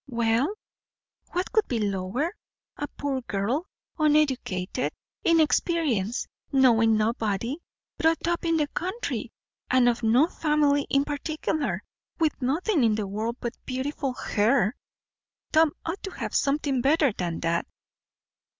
"Well, what could be lower? A poor girl, uneducated, inexperienced, knowing nobody, brought up in the country, and of no family in particular, with nothing in the world but beautiful hair! Tom ought to have something better than that."